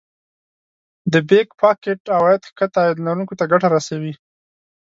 د Back pocket عواید ښکته عاید لرونکو ته ګټه رسوي